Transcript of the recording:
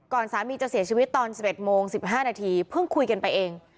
สามีจะเสียชีวิตตอน๑๑โมง๑๕นาทีเพิ่งคุยกันไปเอง